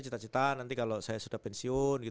cita cita nanti kalau saya sudah pensiun